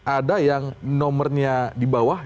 ada yang nomornya di bawah